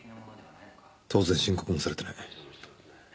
当然申告もされていない。